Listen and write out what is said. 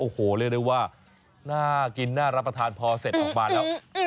โอ้โหเรียกได้ว่าน่ากินน่ารับประทานพอเสร็จออกมาแล้ว